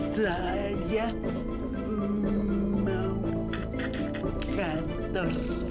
saya mau ke kantor